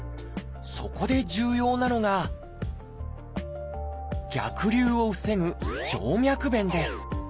そこで重要なのが逆流を防ぐ「静脈弁」です。